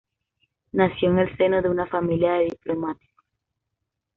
Nació en el seno de una familia de diplomáticos.